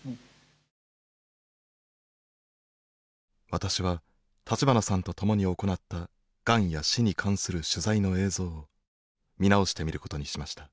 私は立花さんと共に行ったがんや死に関する取材の映像を見直してみることにしました。